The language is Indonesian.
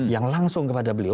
yang langsung kepada beliau